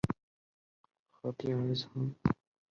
该镇由原梅县区雁洋镇和原梅县区三乡镇合并而成。